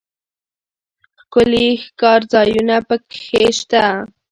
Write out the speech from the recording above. ښکلي ښکارځایونه پکښې شته.